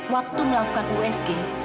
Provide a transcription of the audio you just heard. waktu melakukan usg